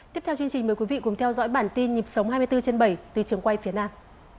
tiếp theo chương trình mời quý vị cùng theo dõi bản tin nhịp sống hai mươi bốn trên bảy từ trường quay phía nam